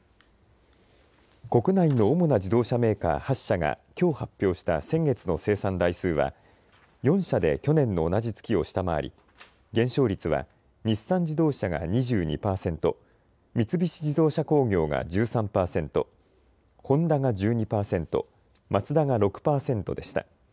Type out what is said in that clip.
国内の主な自動車メーカー８社がきょう発表した先月の生産台数は４社で去年の同じ月を下回り減少率は日産自動車が２２％、三菱自動車工業が１３％、ホンダが１２％、マツダが６％でした。